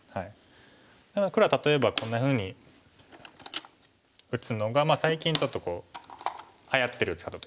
黒は例えばこんなふうに打つのが最近ちょっとはやってる打ち方と。